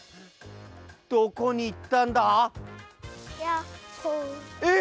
どこにいったんだ？え！